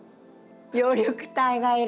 葉緑体がいる。